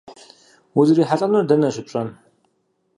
УзрихьэлӀэнур дэнэ щыпщӀэн?